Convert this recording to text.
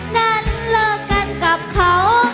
นั้นเลิกกันกับเขา